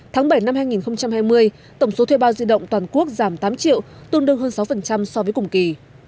tháng bảy năm hai nghìn hai mươi tổng số thuê bao di động toàn quốc giảm tám triệu tôn đương hơn sáu so với cùng kỳ